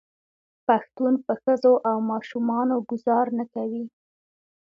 پښتون په ښځو او ماشومانو ګذار نه کوي.